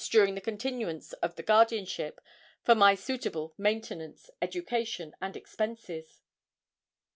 during the continuance of the guardianship for my suitable maintenance, education, and expenses.